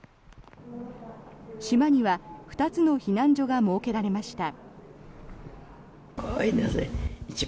島には２つの避難所が設けられました。